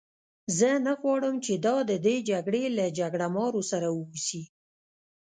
زه نه غواړم چې دا د دې جګړې له جګړه مارو سره وه اوسي.